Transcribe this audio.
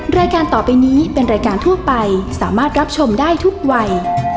รายการต่อไปนี้เป็นรายการทั่วไปสามารถรับชมได้ทุกวัย